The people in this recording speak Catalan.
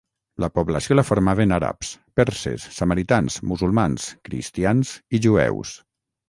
La població la formaven àrabs, perses, samaritans, musulmans, cristians i jueus.